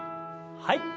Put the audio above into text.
はい。